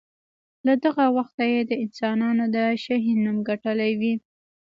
له دغه وخته یې د انسانانو د شهین نوم ګټلی وي.